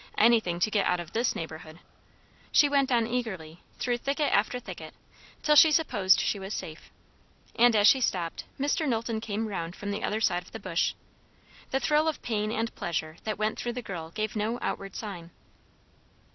Anything to get out of this neighbourhood. She went on eagerly, through thicket after thicket, till she supposed she was safe. And as she stopped, Mr. Knowlton came round from the other side of the bush. The thrill of pain and pleasure that went through the girl gave no outward sign.